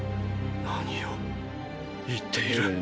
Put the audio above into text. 何を言っている？